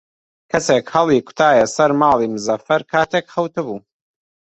کەسێک هەڵی کوتایە سەر ماڵی مزەفەر کاتێک خەوتبوو.